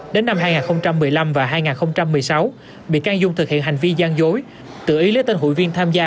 đến năm hai nghìn một mươi năm và hai nghìn một mươi sáu bị can dung thực hiện hành vi gian dối tự ý lấy tên hụi viên tham gia